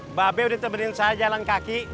mbak abe udah temenin saya jalan kaki